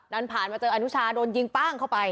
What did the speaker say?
นั้นผ่านมาเจอนุชาโดนยิงปั้้งเข้าไป